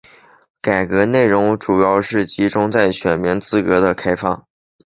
改革内容主要集中在选民资格的开放。